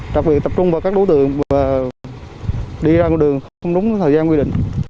đặc biệt tập trung vào các đối tượng và đi ra đường không đúng thời gian quy định